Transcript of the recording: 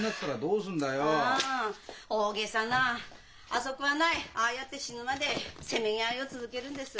あそこはないああやって死ぬまでせめぎ合いを続けるんです。